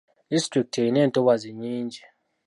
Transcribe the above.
Disitulikiti erina entobazi nnyingi.